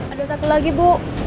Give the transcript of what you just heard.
ada satu lagi bu